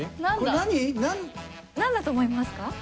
何だと思いますか？